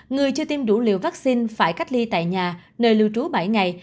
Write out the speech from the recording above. người chưa tiêm đủ liều vaccine phải cách ly tại nhà nơi lưu trú bảy ngày